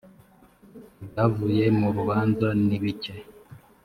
ibyavuye mu rubanza nibike